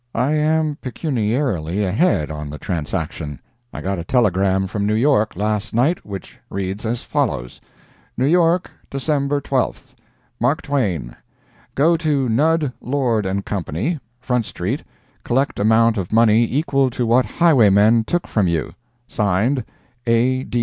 I am pecuniarily ahead on the transaction. I got a telegram from New York, last night, which reads as follows: "New York, December 12th. "Mark Twain: Go to Nudd, Lord & Co., Front street, collect amount of money equal to what highwaymen took from you. (Signed.) A.